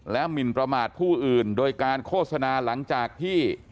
หมินประมาทผู้อื่นโดยการโฆษณาหลังจากที่